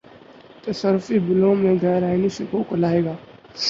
تصرفی بِلوں میں غیرآئینی شقوں کو لائے گا